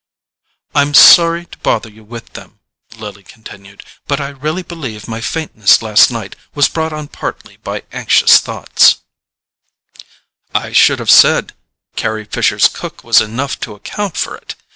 "I'm sorry to bother you with them," Lily continued, "but I really believe my faintness last night was brought on partly by anxious thoughts—" "I should have said Carry Fisher's cook was enough to account for it.